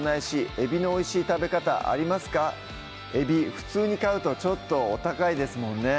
普通に買うとちょっとお高いですもんね